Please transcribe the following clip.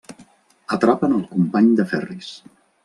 Atrapen al company de Ferris.